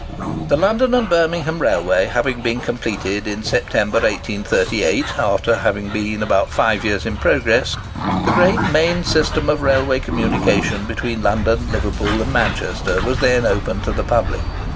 The London and Birmingham Railway having been completed in September, 1838, after being about five years in progress, the great main system of railway communication between London, Liverpool, and Manchester was then opened to the public.